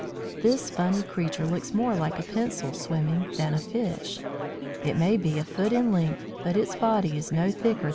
This funny creature looks more like a pencil swimming than a fish. It may be a foot in length, but its body is no thicker than a pipe stem!